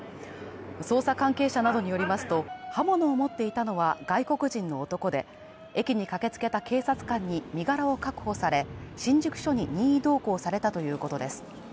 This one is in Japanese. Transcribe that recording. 捜査関係者などによりますと刃物を持っていたのは外国人の男で、駅に駆けつけた警察官に身柄を確保され、新宿署に任意同行されたということです。